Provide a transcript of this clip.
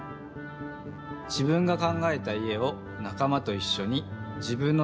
自分が考えた家をなか間といっしょに自分の手でつくる。